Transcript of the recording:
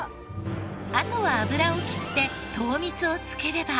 あとは油をきって糖蜜を付ければ。